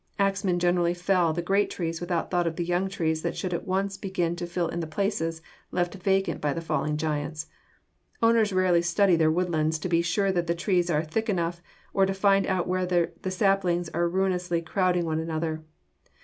Axmen generally fell the great trees without thought of the young trees that should at once begin to fill the places left vacant by the fallen giants. Owners rarely study their woodlands to be sure that the trees are thick enough, or to find out whether the saplings are ruinously crowding one another.